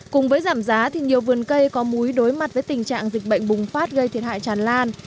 cùng với giảm giá thì nhiều vườn cây có múi đối mặt với tình trạng dịch bệnh bùng phát gây thiệt hại tràn lan